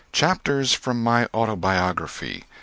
CHAPTERS FROM MY AUTOBIOGRAPHY.